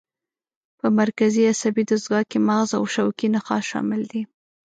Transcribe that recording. په مرکزي عصبي دستګاه کې مغز او شوکي نخاع شامل دي.